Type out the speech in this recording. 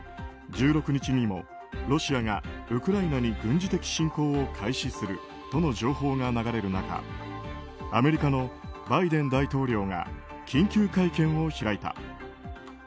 １６日にもロシアがウクライナに軍事的侵攻を開始するとの情報が流れる中アメリカのバイデン大統領が緊急会見を開いた。